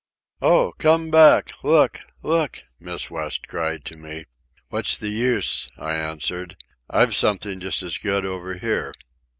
"Oh! Come back! Look! Look!" Miss West cried to me. "What's the use?" I answered. "I've something just as good over here."